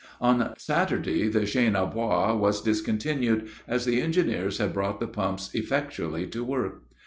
On Saturday, the chaine a bras was discontinued, as the engineers had brought the pumps effectually to work.